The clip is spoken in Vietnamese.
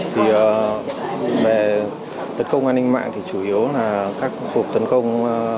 thì về tấn công an ninh mạng thì chủ yếu là các cuộc tấn công